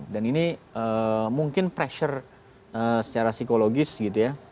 dan ini mungkin pressure secara psikologis gitu ya